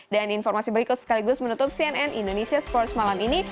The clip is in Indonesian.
dan informasi berikut sekaligus menutup cnn indonesia sports malam ini